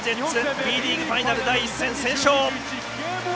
Ｂリーグファイナル第１戦、先勝。